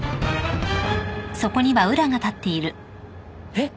えっ？